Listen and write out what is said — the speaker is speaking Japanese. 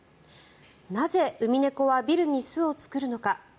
なぜウミネコはビルに巣を作るのか。